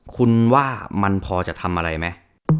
คุณว่ามันพอจะทำอะไรไหม